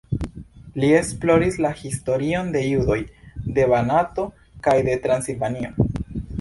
Li esploris la historion de judoj de Banato kaj de Transilvanio.